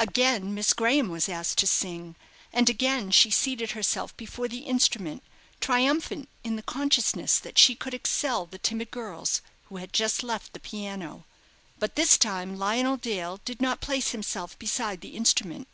Again Miss Graham was asked to sing, and again she seated herself before the instrument, triumphant in the consciousness that she could excel the timid girls who had just left the piano. But this time Lionel Dale did not place himself beside the instrument.